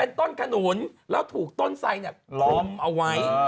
ต้นขนุนแล้วถูกต้นไสเนี่ยคลุมเอาไว้